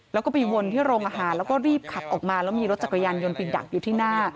แล้วก็ไปวนที่โรงอาหารแล้วก็รีบขับออกมาแล้วมีรถจักรยานยนต์ไปดักอยู่ที่หน้า